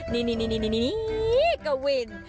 นี่กวิน